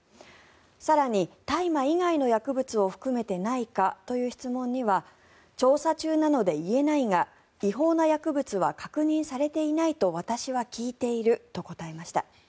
更に、大麻以外の薬物を含めてないかという質問には調査中なので言えないが違法な薬物は確認されていないと私は聞いていると答えました。